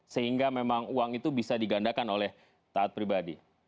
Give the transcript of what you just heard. sehingga memang uang itu bisa digandakan oleh taat pribadi